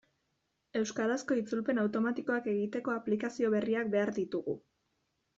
Euskarazko itzulpen automatikoak egiteko aplikazio berriak behar ditugu.